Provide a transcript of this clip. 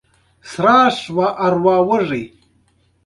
خاکسار اوسئ